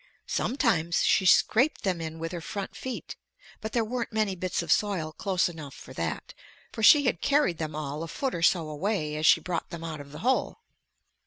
Sometimes she scraped them in with her front feet, but there weren't many bits of soil close enough for that, for she had carried them all a foot or so away as she brought them out of the hole.